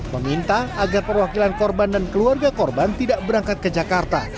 meminta agar perwakilan korban dan keluarga korban tidak berangkat ke jakarta